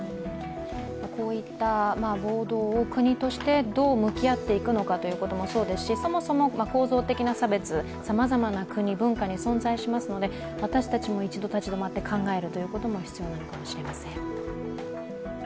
こういった暴動を国としてどう向き合っていくのかもそうですし、そもそも構造的な差別、さまざまな国、文化に存在しますので、私たちも一度、立ち止まって考えることも必要なのかもしれません。